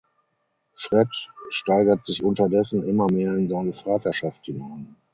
Fred steigert sich unterdessen immer mehr in seine Vaterschaft hinein.